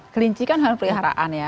kelinci kan hal periharaan ya